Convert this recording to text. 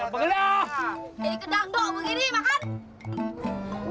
jadi kedang dok begini makan